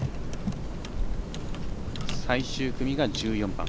最終組が１４番。